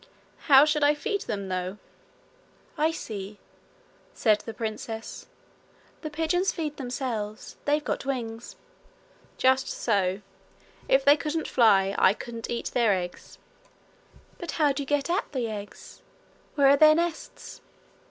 'How should I feed them, though?' 'I see,' said the princess. 'The pigeons feed themselves. They've got wings.' 'Just so. If they couldn't fly, I couldn't eat their eggs.' 'But how do you get at the eggs? Where are their nests?'